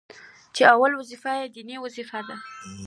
چي اوله وظيفه يې ديني وظيفه ده،